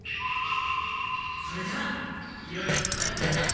それではいろいろ世話になった！